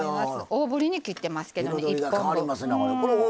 大ぶりに切ってますけど１本分。